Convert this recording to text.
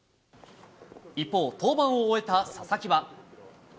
一方、登板を終えた佐々木は。